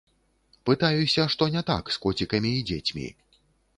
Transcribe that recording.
Пытаюся, што не так з коцікамі і дзецьмі.